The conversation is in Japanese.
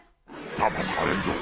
だまされぬぞ！